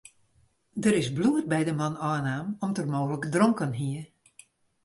Der is bloed by de man ôfnaam om't er mooglik dronken hie.